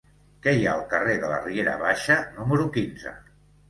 Què hi ha al carrer de la Riera Baixa número quinze?